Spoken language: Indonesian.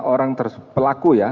orang tersebut pelaku ya